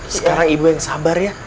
sekarang ibu yang sabar ya